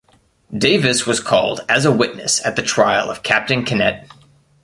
Davis was called as a witness at the trial of Captain Kynette.